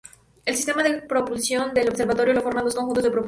El sistema de propulsión del observatorio lo forman dos conjuntos de propulsores.